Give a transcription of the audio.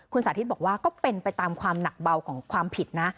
คุณสาธิตบอกว่าก็เป็นไปตามความหนักเบาของความผิดนะ